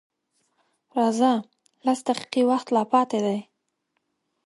_راځه! لس دقيقې وخت لا پاتې دی.